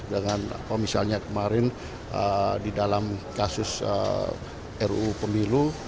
dengan misalnya kemarin di dalam kasus ruu pemilu